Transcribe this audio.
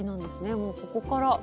もうここから。